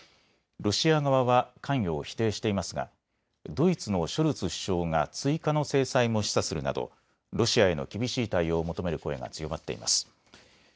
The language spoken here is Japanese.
ロシア側は関与を否定していますがドイツのショルツ首相が追加の制裁も示唆するなどロシアへの厳しい対応を求める声が強まっています。